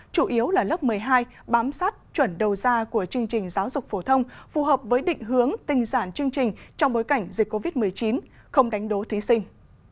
chủ yếu là lớp một mươi hai bám sát chuẩn đầu ra của chương trình giáo dục phổ thông phù hợp với định hướng tinh giản chương trình trong bối cảnh dịch covid một mươi chín không đánh đố thí sinh